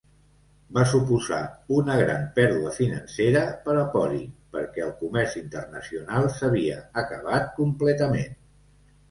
Va suposar una gran pèrdua financera per a Pori perquè que el comerç internacional s'havia acabat completament.